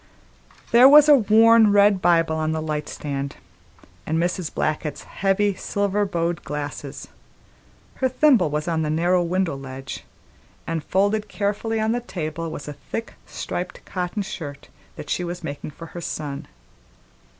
There was a worn red Bible on the lightstand, and Mrs. Blackett's heavy silver bowed glasses; her thimble was on the narrow window ledge, and folded carefully on the table was a thick striped cotton shirt that she was making for her son.